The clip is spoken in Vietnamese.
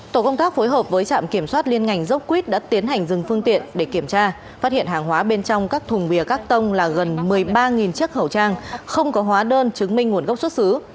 tổ công tác phối hợp với trạm kiểm soát liên ngành dốc quýt đã tiến hành dừng phương tiện để kiểm tra phát hiện hàng hóa bên trong các thùng bìa các tông là gần một mươi ba chiếc khẩu trang không có hóa đơn chứng minh nguồn gốc xuất xứ